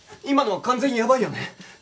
今のは完全にやばいよね？